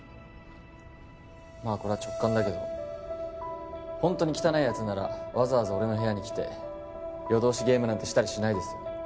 まあこれは直感だけどホントに汚いやつならわざわざ俺の部屋に来て夜通しゲームなんてしたりしないですよ